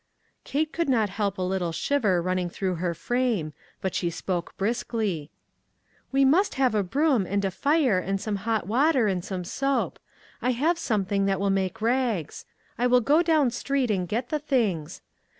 Kate could not help a little shiver run ning through her frame, but she spoke briskly :" We must have a broom, and a fire, and • some hot water, and some soap ; I have something that will make rags. I will go down street, and get the things.